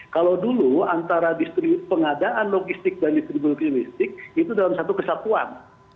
kalau dulu antara pengadaan logistik dan distribusi logistik itu dalam satu kesatuan